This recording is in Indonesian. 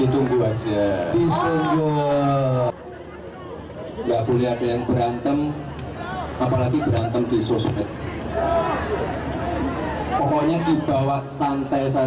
tunggu minggu depan